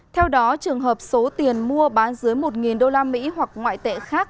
theo đó trường hợp số tiền mua bán dưới một usd hoặc ngoại tệ khác